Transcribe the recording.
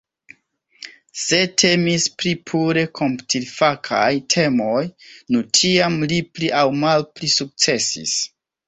Se temis pri pure komputilfakaj temoj, nu tiam li pli aŭ malpli sukcesis.